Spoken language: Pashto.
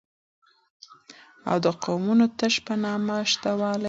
او دقومونو تش په نامه شته والى مني